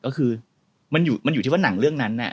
ก็คือมันอยู่ที่ว่าหนังเรื่องนั้น